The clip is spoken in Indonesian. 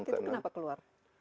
waktu itu kenapa keluar